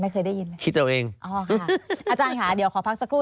เคยได้ยินเลยคิดเอาเองอ๋อค่ะอาจารย์ค่ะเดี๋ยวขอพักสักครู่